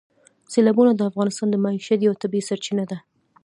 سیلابونه د افغانانو د معیشت یوه طبیعي سرچینه ده.